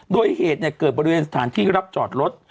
โดยเหตุเกิดบริเวณสถานที่รับจอดรถ